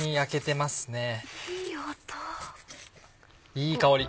いい香り！